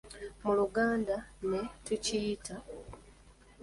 Mu Luganda ne tukiyita?